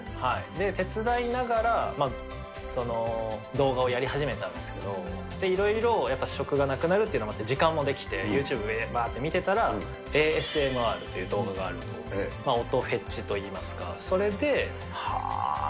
手伝いながら、動画をやり始めたんですけど、いろいろやっぱり職がなくなるというので、時間も出来て、ユーチューブばーっと見てたら、ＡＳＭＲという動画があるんですけど、音フェチといいますか、それで。